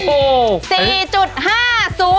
โอ้โห